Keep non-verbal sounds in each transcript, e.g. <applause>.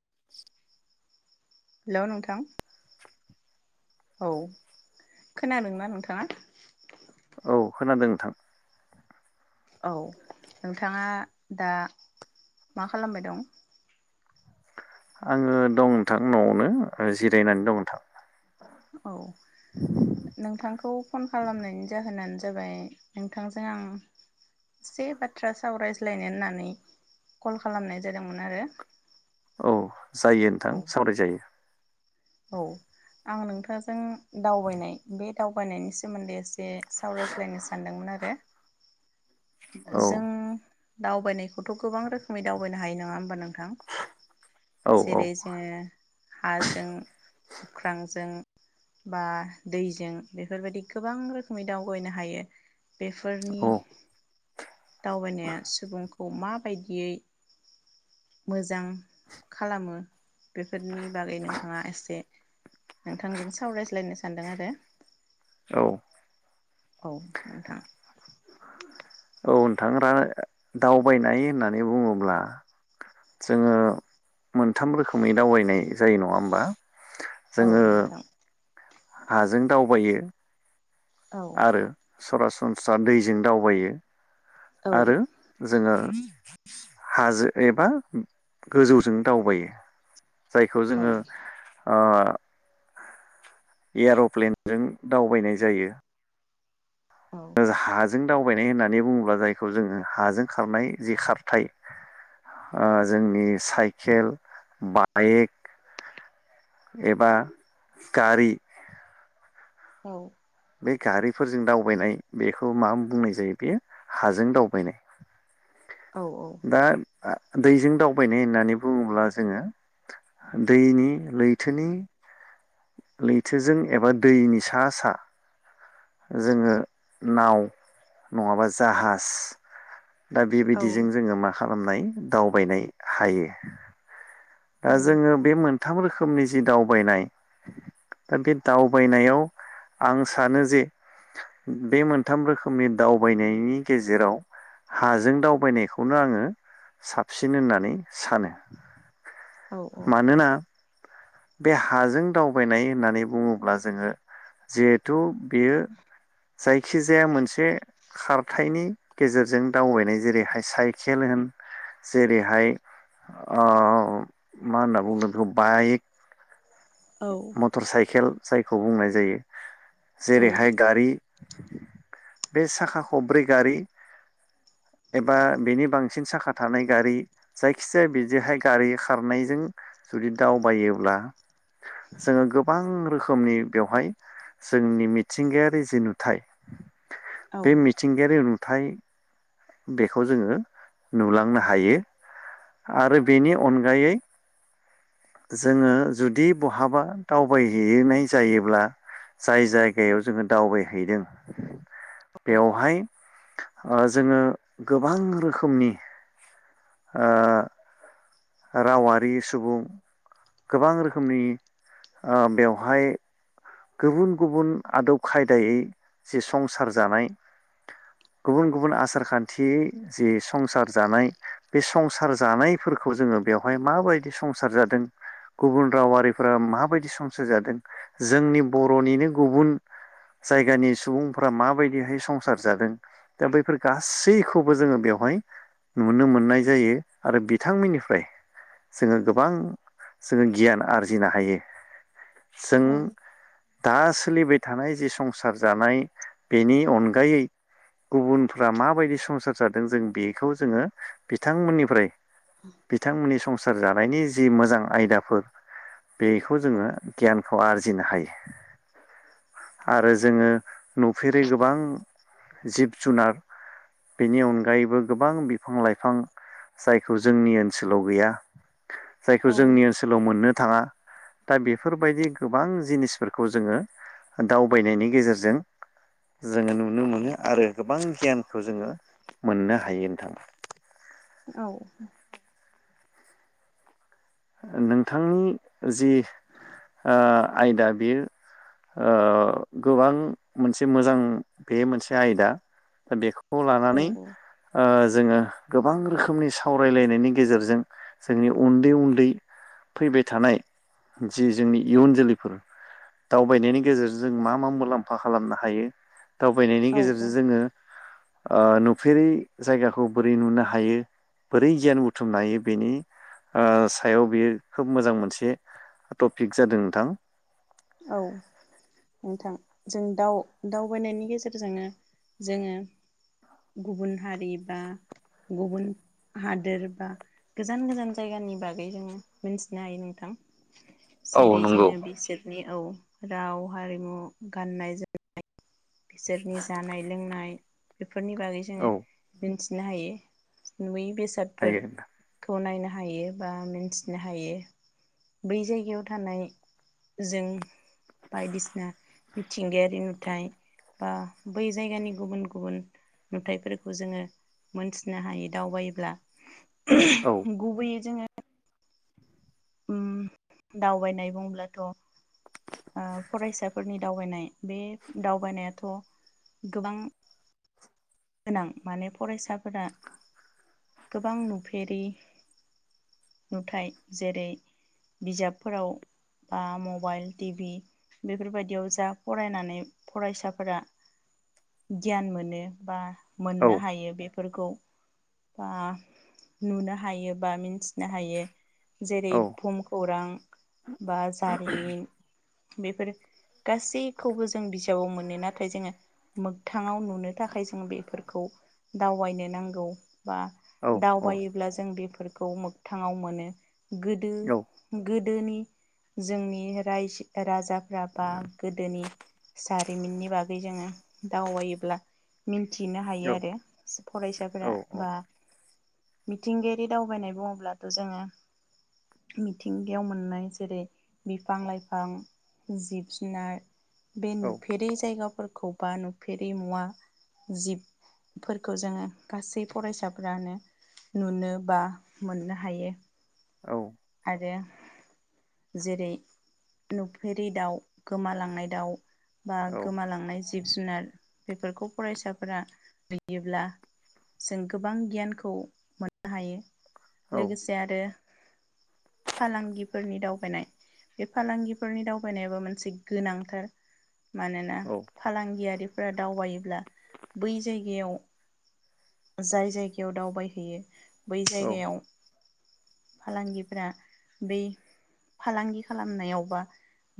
<inaudible> हेल' नोंथां। औ खोनादोंना नोंथाङा औ खोनादों नोंथां। औ नोंथाङा दा मा खालामबाय दं आङो दं नोंथां न'आवनो जिरायनानै दं नोंथां। औ नोंथांखौ फन खालामनायनि जाहोनानो जाबाय नोंथांजों आं एसे बाथ्रा सावरायज्लायनो होननानै कल खालामनाय जादोंमोन आरो। औ जायो नोंथां औ सावरायजायो। औ आं नोंथांजों दावबायनाय बे दावबायनायनि सोमोन्दै एसे सावरायज्लायनो सानदोंमोन आरो। औ जों दावबायनायखौथ' गोबां रोखोमै दावबायनो हायो नङा होमबा नोंथां। औ औ जेरै जोङो हाजों अख्रांजों बा दैजों बेफोरबायदि गोबां रोखोमै दावबायनो हायो। बेफोरनि औ दावबायनाया सुबुंखौ खौ माबायदियै मोजां खालामो बेफोरनि बागै नोंथाङा एसे नोंथांजों सावरायज्लायनो सानदों आरो औ। औ नोंथां। औ नोंथां रा दावबायनाय होननानै बुङोब्ला जोङो मोनथाम रोखोमै दावबायनाय जायो नङा होमबा औ जोङो नोंथां हाजों दावबायो औ आरो सरासनस्रा दैजों दावबायो। औ आरो जोङो हाजों एबा गोजौजों दावबायो। जायखौ औ जोङो ओ एयार'प्लेनजों दावबायनाय जायो। औ <unintelligible> हाजों दावबायनाय होननानै बुङोब्ला जायखौ जोङो हाजों खारनाय जि खारथाय जोंनि साइकेल बाइक एबा गारि औ। बे गारिफोरजों दावबायनाय बेखौ मा बुंनाय जायो बेयो हाजों दावबायनाय। औ औ। दा दैजों दावबायनाय होननानै बुङोब्ला जोङो दैनि लैथोनि लैथोजों एबा दैनि सा सा जोङो नाव नङाबा जाहाज। दा बेबायदिजों जोङो मा खालामनाय दावबायनाय हायो। दा औ जोङो बे मोन थाम रोखोमनि जि दावबायनाय दा बे दावबायनायाव आं सानो जे बे मोनथाम रोखोमनि दावबायनायनि गेजेराव हाजों दावबायनायखौनो आङो साबसिन होननानै सानो। औ मानोना बे हाजों दावबायनाय होननानै बुङोब्ला जोङो जिहेथु बेयो जायखिजाया मोनसे खार थायनि गेजेरजों दावबायनाय जेरैहाय साइकेल होन जेरैहाय ओह मा होनना बुदों बेखौ बाइक औ मटर साइकेल जायखौ बुंनाय जायो। जेरैहाय गारि बे साखा खब्रै गारि एबा बेनि बांसिन साखा थानाय गारि जायखिजाया बिदिहाय गारि खारनायजों जुदि दावबायोब्ला जोङो गोबां रोखोमनि बेवहाय जोंनि मिथिंगायारि जि नुथाय बे मिथिंगायारि नु थाय बेखौ जोङो नुलांनो हायो आरो बेनि अनगायै जोङो जुदि बहाबा दावबायहैैनाय जायोब्ला जाय जायगायाव जोङो दावबायहैदों बेवहाय ओ जोङो गोबां रोखोमनि ओ रावारि सुबुं गोबां रोखोमनि ओ बेवहाय गुबुन गुबुन आदब खायदायै जि संसार जानाय गुबुन गुबुन आसार खान्थियै जि संसार जानाय बे संसार जानायफोरखौ जोङो बेवहाय माबायदि संसार जादों गुबुन रावारिफोरा माबायदि संसार जादों जो जोंनि बरनिनो गुबुन जायगानि सुबुंफ्रा माबायदिहाय संसार जादों दा बैफोर गासैखौबो जोङो बेवहाय नुनो मोननाय जायो। आरो बिथांमोननिफ्राय जोङो गोबां जोङो गियान आरजिनो हायो। जों दा सोलिबाय थानाय जि संसार जानाय बेनि अनगायै गुबुनफ्रा माबायदि संसार जादों जों बेखौ जोङो बिथांमोननिफ्राय बिथांमोननि सं संसार जानायनि जि मोजां आयदाफोर बेखौ जोङो गियान फ आज जिनो हायो आरो जोङो नुफेरै गोबां जिब जुनार बेनि अनगायैबो गोबां बिफां लाइफां जायखौ जोंनि ओनसोलाव गैया। जायखौ औ जोंनि ओनसोलाव मोननो थाङा दा बेफोरबायदि गोबां जिनिसफोरखौ जोङो दावबायनायनि गेजेरजों जोङो नुनो मोनो आरो गोबां गियानखौ जोङो मोननो हायो ओनथां। औ नोंथांनि जि ओ आयदा बेयो ओ गोबां मोनसे मोजां बे मोनसे आयदा दा बेखौ खौ लानानै औ ओज जोङो गोबां रोखोमनि सावरायलायनायनि गेजेरजों जोंनि उन्दै उन दै फैबाय थानाय जि जोंनि इयुन जोलैफोर दावबायनायनि गेजेरजों जों मा मा मुलाम्फा खालामनो हायो। दावबायनायनि औ गेजेरजों औ जोङो। ओ नुफेरै जायगाखौ बोरै नुनो हायो बोरै गियान बुथुमनो हायो बेनि। सायाव बेयो खोब मोजां मोनसे टपिक जादों नोंथां। औ नोंथां जों दाउ दावबायनायनि गेजेरजोंनो जोङो गुबुन हारि बा गुबुन हादोर बा गोजान गोजान जायगानि बागै जोङो मिथिनो हायो नोंथां। औ जेरै जों नंगौ। बेसोर। ओ राव हारिमु गाननाय जोमनाय। बिसोरनि जानाय लोंनाय। बेफोरनि बागै जोङो औ मिन्थि नों। नुनो हायो नुयो। हायो बेसादफोरखौ नायनो हायो। हायो बा मिथिनो हायो बै जायगायाव थानाय जों बायदिसिना मिथिंगायारि नुथाय। बा बै जायगानि गुबुन गुबुन नुथायाइफोरखौ जोङो मोनथिनो हायो दावबायायोब्ला औ गुबैय जोङो <inaudible> ओम दावबायनाय बुंब्लाथ' फरायसाफोरनि दावबायनाय बे दावबायनायाथ गोबां गोनां माने फरायसाफोरा गोबां नुफेरै नुथाय जेरै बिजाबफोराव बा मबाइल टिभि बेफोरबायदियाव जा फरायनानै फरायसाफोरा गियान मोनो। बा। औ मोननो हायो बे। फोरफोरखौ बा नुनो हायो बा मिन्थिनो हायो। जेरै औ बुहुम खौरां। बा जारिमिन बेफोर गासैखौबो जों बिजाबाव मोनो नाथाय जोङो मोगथाङाव नुनो। थाखाय जों बेफोरखौ दावबायनो नांगौ बा औ औ दावबायोब्ला जों बेफोरखौ मोगथाङाव मोनो गोदो औ गोदोनि जोंनि र राजाफ्रा बा गोदोनि जारिमिननि बागै जोङो दावबायोब्ला मिथिनो हायो आरो औ फरायसाफोरा बा मिथिंगायारि दावबायनाय बुङोब्लाथ जोङो मिथिंगायाव मोननाय जेरै बिफां लाइफां जिब जुनार बे औ नुफेरै जायगाफोरखौ। बा नुफेरि मुवा जिबफोरखौ जोङो गासै फरायसाफ्रानो नुनो बा मोननो हायो। आरो जेरै नुफेरि दाउ गोमालांनाय दाउ। बा गोमालांनाय जिब जुनार बेफोरखौ फरायसाफोरा नुयोब्ला जों गोबां गियानखौ मोननो हायो। लोगोसे आरो। फालांगिफोरनि दावबायनाय बे फालांगिफोरनि दावबायनायाबो मोनसे गोनांथार। मानोना औ फालांगियारि। दावबायोब्ला बै जायगायाव जाय जायगायाव दावबायहैयो। बै औ जायगायाव। फालांगि फोरा बै फालांगि खालामनायाव बा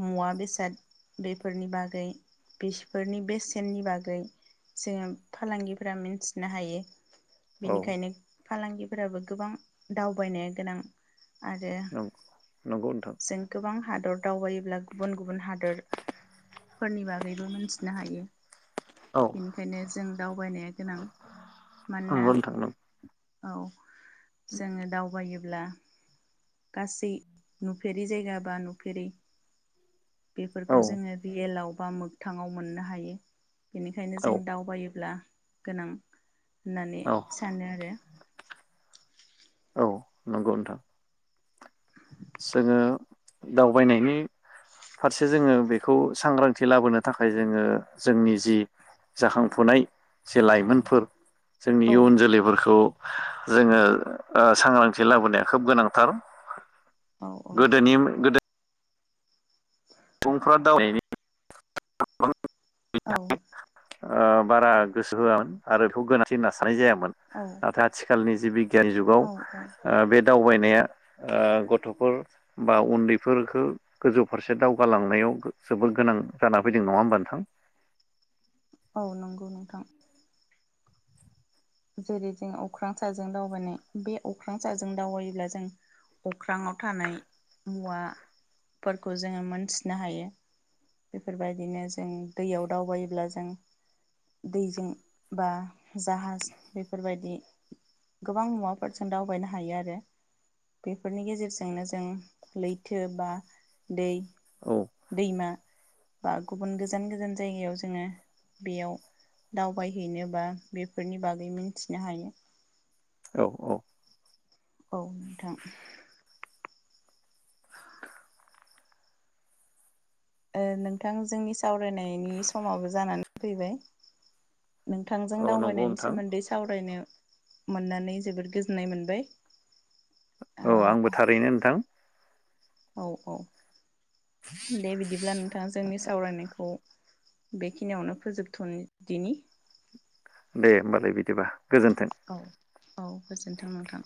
मुवा बेसाद बेफोरनि बागै बेसफोरनि बेसेननि बागै जोङो फालांगिफ्रा मिन्थिनो हायो। बेनिखायनो औ फालांगिफोराबो गोबां दावबायनाया गोनां। आरो नंगौ नोंथां जों गोबां हादर दावबायोब्ला गुबुन गुबुन हादोर फोरनि बागैबो मोनथिनो हायो। औ बेनिखायनो जों दावबायनाया गोनां मानोना नंगौ नोंथां औ जोङो दावबायोब्ला गासै नुफेरै जायगा बा नुफेरै औ बेफोरखौ जोङो रिएलाव बा मोगथाङाव मोननो हायो। बेनिखायनो औ जों दावबायोब्ला गोनां। होननानै औ सानो आरो। औ नंगौ नोंथां। जोङो दावबायनायनि फारसे जोङो बेखौ सांग्रांथि लाबोनो थाखाय जोङो जोंनि जि जाखांफुनाय जे लाइमोनफोर जोंनि औ इयुन जोलैफोरखौ जोङो ओ सांग्रांथि लाबोनाया खोब गोनांथार। औ गोदोनि गोदो सुबुंफ्रा <unintelligible> औ। ओ बारा गोसो होआमोन आरो बेखौ गोनांथि होनना सा थानाय जायामोन औ नाथाय आथिखालनि जिबि गियानि जुगाव औ औ ओ बे दावबायनाय <unintelligible> ओ गथ'फोर बा उन्दैफोरखो गोजौ फारसे दाव गा लांनायाव जोबोर गोनां जाना फैदों नङा होमबा नोंथां? औ नंगौ नोंथां। जेरै जों अख्रां साजों दावबायनाय बे अख्रां साहाजों दावबायोब्ला जों अख्राङाव थानाय मुवा फोरखौ जोङो मोनथिनो हायो बेफोरबायदिनो जों दैयाव दावबायोब्ला जों दैजों बा जाहाज बेफोरबायदि गोबां मुवाफोरजों दावबायनो हायो आरो बेफोरनि गेजेरजोंनो जों लैथो बा दै औ दैमा। बा गुबुन गोजान गोजान जायगायाव जोङो बेयाव दावबायहैनो बा बेफोरनि बाग बागै मिन्थिनो हायो। औ औ। औ नोंथां। ओ नोंथां जोंनि सावरायनायनि समाबो जानानै फैबाय नोंथांजों औ नंगौ दावबायनायनि नोंथां सोमोन्दै सावरायनो मोननानै जोबोद गोजोननाय मोनबाय औ आंबो थारैनो थां औ औ दे बिदिब्ला नोंथां जोंनि सावरायनायखौ बेखिनियावनो फोजोबथ'नि दोनि दे होमबालाय बिदिबा गोजोन्थों औ औ गोजोनथों नोंथां